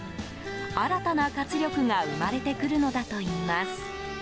新たな活力が生まれてくるのだといいます。